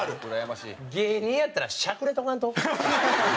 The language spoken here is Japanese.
芸人やったらシャクれとかんと。